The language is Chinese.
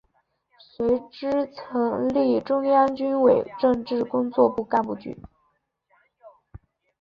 随之成立中央军委政治工作部干部局。